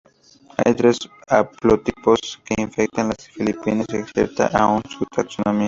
Hay tres haplotipos que infectan las filipinas y es incierta aún su taxonomía.